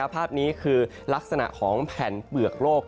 ภาพนี้คือลักษณะของแผ่นเปลือกโลก